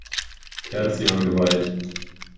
Terzian geweiht.